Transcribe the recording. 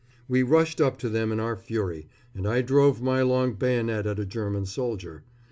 We rushed up to them in our fury, and I drove my long bayonet at a German soldier.